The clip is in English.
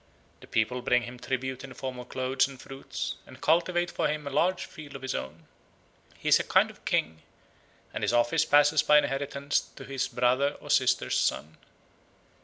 The people bring him tribute in the form of clothes and fruits, and cultivate for him a large field of his own. He is a kind of king, and his office passes by inheritance to his brother or sister's son.